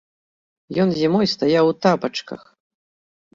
Ён зімой стаяў у тапачках!